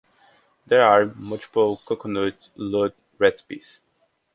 There are multiple coconut laddu recipes.